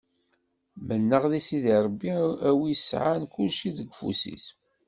Menneɣ di Sidi Ṛebbi a wi yesɛan kulci deg ufus-is.